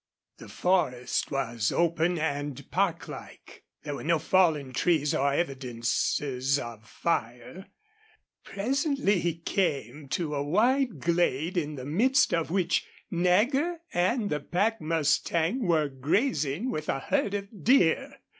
The forest was open and park like. There were no fallen trees or evidences of fire. Presently he came to a wide glade in the midst of which Nagger and the pack mustang were grazing with a herd of deer.